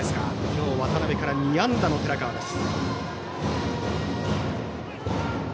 今日、渡辺から２安打の寺川です。